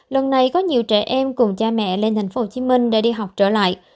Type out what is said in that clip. lần này có nhiều trẻ em cùng cha mẹ lên thành phố hồ chí minh để đi học trở lại